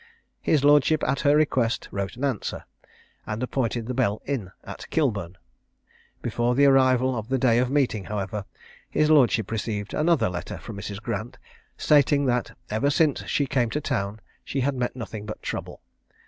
His lordship at her request, wrote an answer, and appointed the Bell Inn, at Kilburn. Before the arrival of the day of meeting, however, his lordship received another letter from Mrs. Grant, stating that ever since she came to town, she had met nothing but trouble.